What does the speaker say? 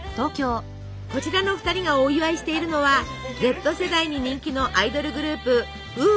こちらの２人がお祝いしているのはＺ世代に人気のアイドルグループｗｏｏ！